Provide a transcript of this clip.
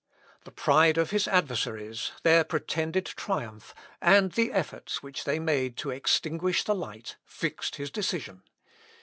The pride of his adversaries, their pretended triumph, and the efforts which they made to extinguish the light, fixed his decision.